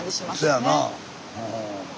せやな。